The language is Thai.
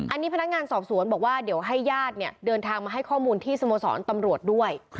อันนี้พนักงานสอบสวนบอกว่าเดี๋ยวให้ญาติเนี่ยเดินทางมาให้ข้อมูลที่สโมสรตำรวจด้วย